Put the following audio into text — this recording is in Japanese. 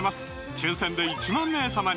抽選で１万名様に！